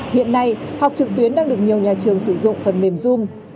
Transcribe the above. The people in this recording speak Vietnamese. hiện nay học trực tuyến đang được nhiều nhà trường sử dụng phần mềm zoom